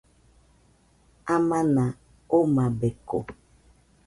Amana omabeko.